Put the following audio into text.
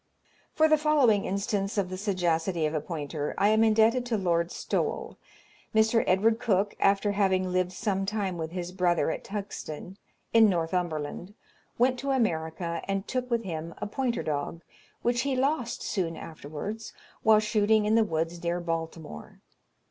For the following instance of the sagacity of a pointer, I am indebted to Lord Stowell. Mr. Edward Cook, after having lived some time with his brother at Tugsten, in Northumberland, went to America, and took with him a pointer dog, which he lost soon afterwards, while shooting in the woods near Baltimore.